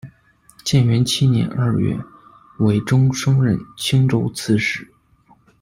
建元七年二月，韦钟升任青州刺史。